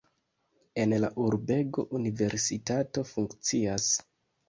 En la urbego universitato funkcias.